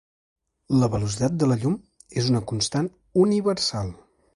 La velocitat de la llum és una constant universal.